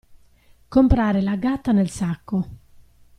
Comprare la gatta nel sacco.